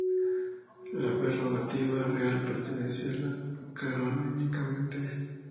La prerrogativa real pertenece a la Corona únicamente.